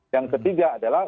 yang ketiga adalah